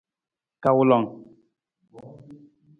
Kawulang.